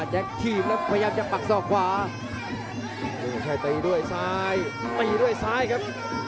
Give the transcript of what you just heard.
แจ็คทีบแล้วพยายามจะปักซอกขวาตีด้วยซ้ายตีด้วยซ้ายครับ